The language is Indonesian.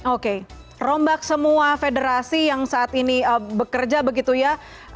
oke rombak semua federasi yang saat ini bekerja begitu ya